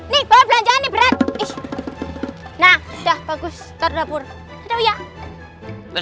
nah udah bagus terdapur ya